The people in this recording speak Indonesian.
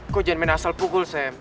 kok jangan main asal pukul sam